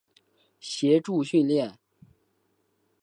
协助训练。